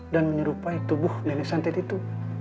dan menyerupai tubuh nenek santet itu